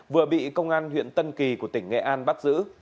vừa bị công an huyện tân kỳ của tỉnh nghệ an bắt giữ